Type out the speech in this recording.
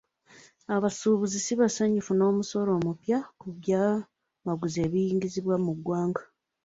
Abasuubuzi si basanyufu n'omusolo omupya ku byamaguzi ebiyingizibwa mu ggwanga.